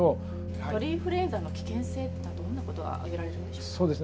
鳥インフルエンザの危険性ってどんなことが挙げられるんでしょうか？